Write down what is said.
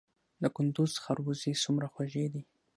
د کندز خربوزې څومره خوږې دي؟